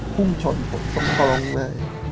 พุ่งชนผมตรงกระลงเลย